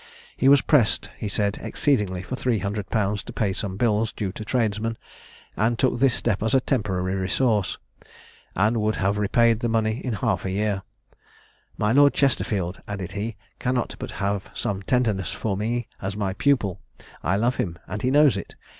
He was pressed, he said, exceedingly for 300_l._ to pay some bills due to tradesmen, and took this step as a temporary resource, and would have repaid the money in half a year. "My Lord Chesterfield," added he, "cannot but have some tenderness for me as my pupil. I love him, and he knows it.